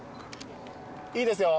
いいですよ。